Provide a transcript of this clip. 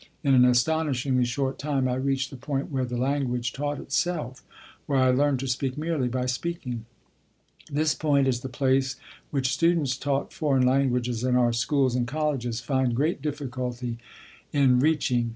In an astonishingly short time I reached the point where the language taught itself where I learned to speak merely by speaking. This point is the place which students taught foreign languages in our schools and colleges find great difficulty in reaching.